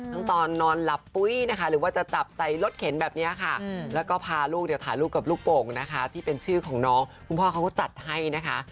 ตอนนอนหลับปุ๊ยนะคะหรือว่าจะจับใส่รถเข็นแบบนี้ค่ะแล้วก็พาลูกเนี่ยถ่ายรูปกับลูกโป่งนะคะที่เป็นชื่อของน้องคุณพ่อเขาก็จัดให้นะคะ